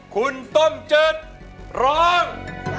คุณต้มเจิดร้อง